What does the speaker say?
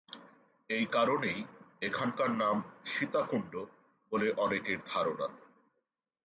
এই কারণেই এখানকার নাম 'সীতাকুণ্ড' বলে অনেকের ধারণা।